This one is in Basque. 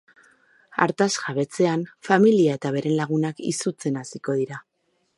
Hartaz jabetzean, familia eta beren lagunak izutzen hasiko da.